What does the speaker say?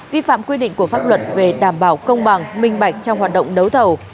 vi phạm quy định của pháp luật về đảm bảo công bằng minh bạch trong hoạt động đấu thầu